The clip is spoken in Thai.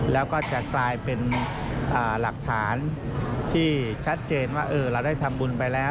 แล้วก็จะกลายเป็นหลักฐานที่ชัดเจนว่าเราได้ทำบุญไปแล้ว